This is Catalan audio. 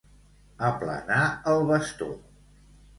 Aplanar el bastó.